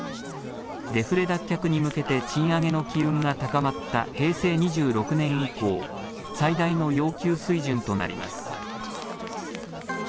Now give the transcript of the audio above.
デフレ脱却に向けて賃上げの機運が高まった平成２６年以降、最大の要求水準となります。